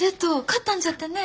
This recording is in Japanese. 勝ったんじゃてね。